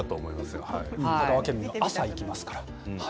香川県民は朝、行きますから。